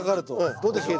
どうでしょう？